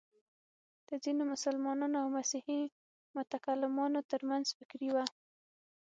د ځینو مسلمانو او مسیحي متکلمانو تر منځ فکري وه.